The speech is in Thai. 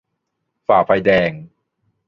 - ฝ่าไฟแดง